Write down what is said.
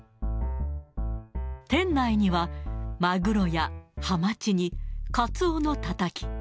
店内にはマグロやハマチにカツオのたたき。